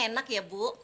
memang enak ya bu